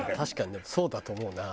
でもそうだと思うなあ。